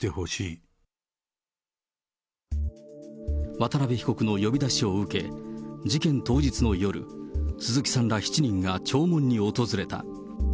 渡辺被告の呼び出しを受け、事件当日の夜、鈴木さんら７人が弔問に訪れた。